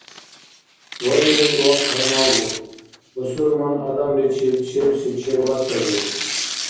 Вари, вахъхӀи мавъуд, бусурман адамличиб чебси чебла саби.